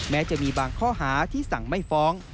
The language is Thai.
แม้จะมีบางข้อหาที่สั่งไม่ฟ้อง